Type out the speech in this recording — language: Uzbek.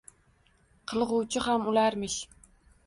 Qilg’uvchi ham ularmish.